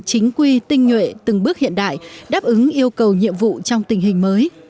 chính quy tinh nhuệ từng bước hiện đại đáp ứng yêu cầu nhiệm vụ trong tình hình mới